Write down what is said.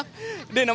masih tercium apa